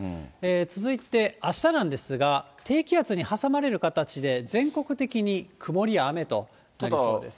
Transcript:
続いてあしたなんですが、低気圧に挟まれる形で、全国的に曇りや雨となりそうです。